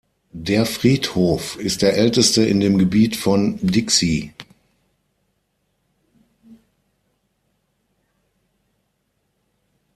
Der Friedhof ist der älteste in dem Gebiet von Dixie.